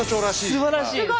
すばらしい！